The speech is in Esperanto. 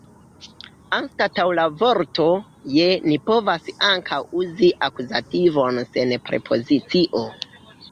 Anstataŭ la vorto « je » ni povas ankaŭ uzi akuzativon sen prepozicio.